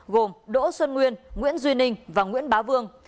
gồm đỗ xuân nguyên nguyễn duy ninh và nguyễn bá vương